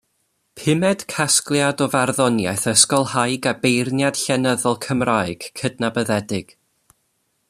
Pumed casgliad o farddoniaeth ysgolhaig a beirniad llenyddol Cymraeg cydnabyddedig.